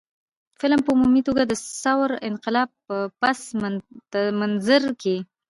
فلم په عمومي توګه د ثور انقلاب په پس منظر کښې